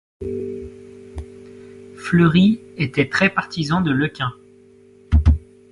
Fleury était très partisan de Lekain.